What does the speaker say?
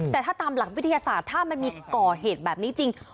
แต่ถ้าตามหลักวิทยาศาสตร์ถ้ามันมีก่อเหตุแบบนี้จริง